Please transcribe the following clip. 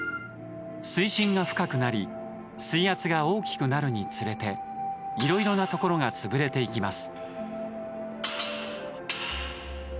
水深が深くなり水圧が大きくなるにつれていろいろなところが潰れていきます